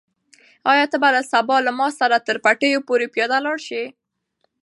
آیا ته به سبا له ما سره تر پټیو پورې پیاده لاړ شې؟